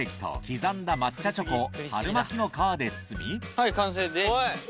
はい完成です。